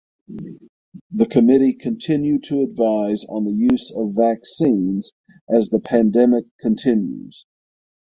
The Committee continued to advise on the use of vaccines as the pandemic continues.